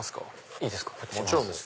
いいですか。